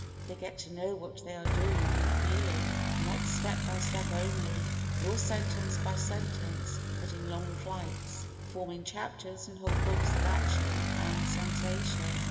They get to know what they are doing and feeling, not step by step only, nor sentence by sentence, but in long flights, forming chapters and whole books of action and sensation.